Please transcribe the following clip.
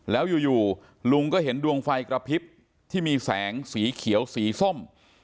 แล้วอยู่ลุงก็เห็นดวงไฟกระพริบที่มีแสงสีเขียวสีส้ม